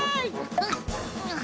あっ！